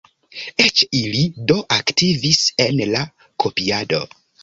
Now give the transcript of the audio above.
Eĉ ili, do, aktivis en la kopiado.